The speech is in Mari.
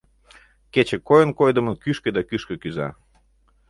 Кече койын-койдымын кӱшкӧ да кӱшкӧ кӱза.